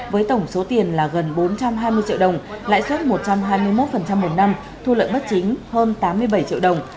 với tổng số tiền là gần bốn trăm hai mươi triệu đồng lãi suất một trăm hai mươi một một năm thu lợi bất chính hơn tám mươi bảy triệu đồng